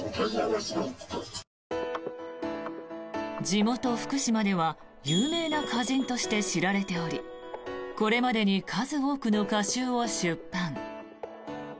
地元・福島では有名な歌人として知られておりこれまでに数多くの歌集を出版。